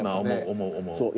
思う思う。